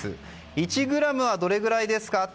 １ｇはどれくらいですか？